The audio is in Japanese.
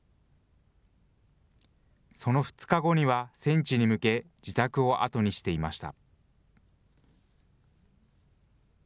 その２日後には、戦地に向け、自宅を後にしていました。